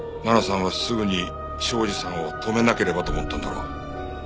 奈々さんはすぐに庄司さんを止めなければと思ったんだろう。